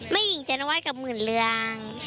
หญิงเจนวัดกับหมื่นเรือง